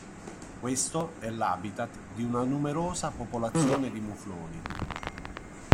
Questo è l"'habitat" di una numerosa popolazione di mufloni.